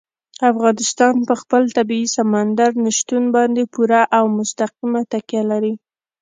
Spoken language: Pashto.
افغانستان په خپل طبیعي سمندر نه شتون باندې پوره او مستقیمه تکیه لري.